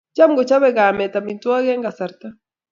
cham ku chobei kame amitwogik eng' kasarta